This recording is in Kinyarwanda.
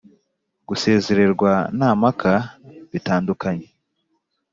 gusezererwa nta mpaka bitandukanye